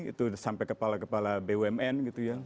itu sampai kepala kepala bumn gitu ya